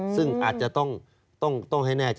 ซึ่งอาจจะต้องให้แน่ใจ